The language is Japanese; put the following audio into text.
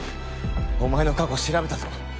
お前の過去調べたぞ。